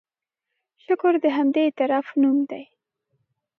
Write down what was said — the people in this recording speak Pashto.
شکر د همدې اعتراف نوم دی.